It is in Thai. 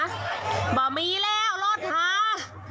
หม่อมีแล้วโลดท้า